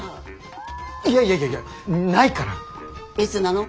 いやいやいやいやないから。いつなの？